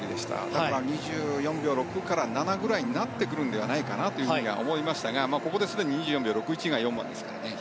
なので２４秒６から７くらいになってくるのではと思いましたが、ここですでに２４秒６１が４番ですからね。